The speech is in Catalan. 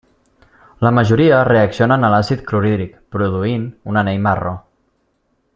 La majoria reaccionen a l'àcid clorhídric produint un anell marró.